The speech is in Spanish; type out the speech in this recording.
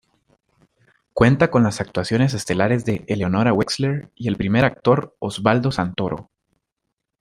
Cuenta con las actuaciones estelares de Eleonora Wexler y el primer actor Osvaldo Santoro.